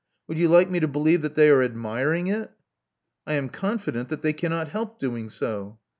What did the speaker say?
Would you like me to believe that they are admiring it?" I am confident that they cannot help doing so."